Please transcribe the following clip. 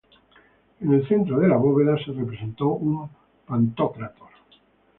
En el centro de la bóveda se representó un Pantocrátor.